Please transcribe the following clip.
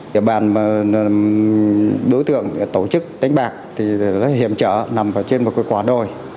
đối tượng tổ chức đánh bạc thì hiểm trở nằm trên một cái quả đồi